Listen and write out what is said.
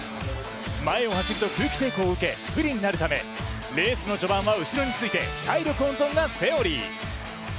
前を走ると空気抵抗を受け不利になるためレースの序盤は後ろについて体力温存がセオリー。